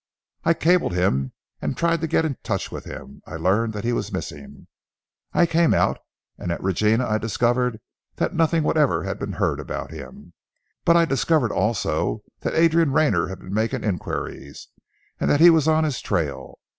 "I cabled him and tried to get in touch with him. I learned that he was missing. I came out, and at Regina I discovered that nothing whatever had been heard about him, but I discovered also that Adrian Rayner had been making inquiries, that he was on his trail.